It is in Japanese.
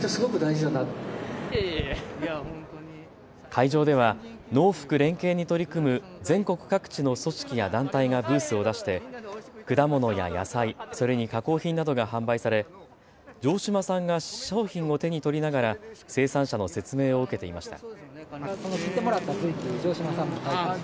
会場では農福連携に取り組む全国各地の組織や団体がブースを出して果物や野菜、それに加工品などが販売され城島さんが商品を手に取りながら生産者の説明を受けていました。